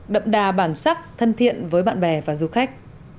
đậm đà bản sắc thân thiện với bạn bè và du khách